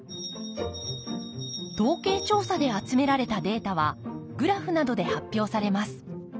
統計調査で集められたデータはグラフなどで発表されます。